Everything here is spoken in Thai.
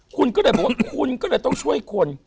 คุณก็เลยบอกว่าคุณก็เลยต้องช่วยคน